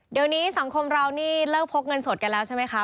เดี๋ยวนี้สังคมเรานี่เลิกพกเงินสดกันแล้วใช่ไหมคะ